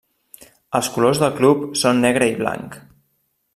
Els colors del club són negre i blanc.